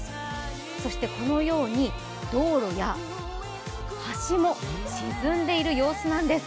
そしてこのように、道路や橋も沈んでいる様子なんです。